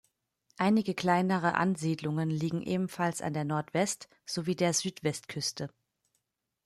Einige kleinere Ansiedlungen liegen ebenfalls an der Nordwest- sowie der Südwestküste.